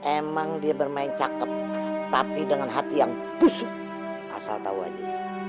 emang dia bermain cakep tapi dengan hati yang busuk asal tahu aja